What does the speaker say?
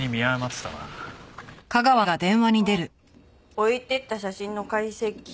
置いていった写真の解析。